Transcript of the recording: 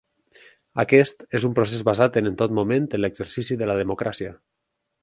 Aquest és un procés basat en tot moment en l’exercici de la democràcia.